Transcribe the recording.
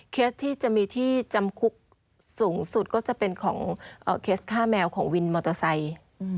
เคสที่จะมีที่จำคุกสูงสุดก็จะเป็นของเคสฆ่าแมวของวินมอเตอร์ไซค์